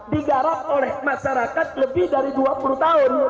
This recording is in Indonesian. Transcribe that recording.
digarap oleh masyarakat lebih dari dua puluh tahun